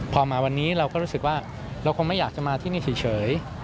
พอมาวันนี้เราก็รู้สึกว่าเราคงไม่อยากจะมาที่นี่เฉย